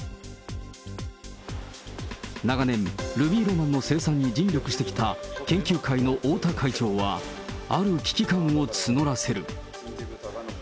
長年、ルビーロマンの生産に尽力してきた、研究会の大田会長は、ある危機感を募らせる。